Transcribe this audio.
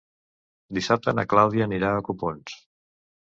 Dissabte na Clàudia anirà a Copons.